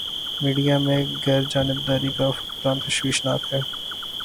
Media میں غیر جانبداری کا فقدان تشویش ناک ہے۔